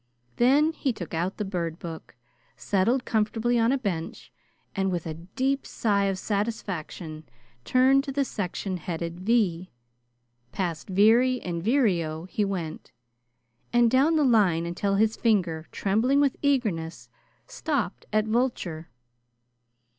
Then he took out the bird book, settled comfortably on a bench, and with a deep sigh of satisfaction turned to the section headed. "V." Past "veery" and "vireo" he went, down the line until his finger, trembling with eagerness, stopped at "vulture."